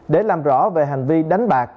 để làm rõ về hành vi đánh bạc